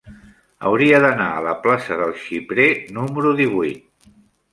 Hauria d'anar a la plaça del Xiprer número divuit.